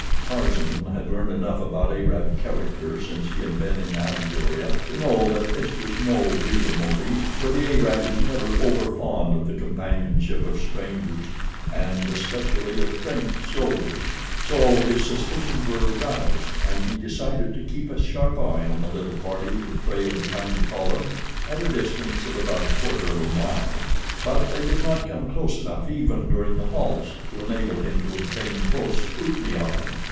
Tarzan had learned enough about Arab character since he had been in Algeria to know that this was no real motive, for the Arab is never overfond of the companionship of strangers, and especially of French soldiers. So his suspicions were aroused, and he decided to keep a sharp eye on the little party that trailed behind the column at a distance of about a quarter of a mile. But they did not come close enough even during the halts to enable him to obtain a close scrutiny of them.